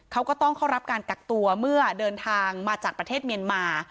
เขาก็ต้องเข้ารับการกักตัวเมื่อเดินทางมาจากประเทศเมียนมา